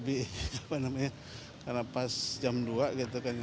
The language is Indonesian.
jam pulangnya ya lebih karena pas jam dua gitu kan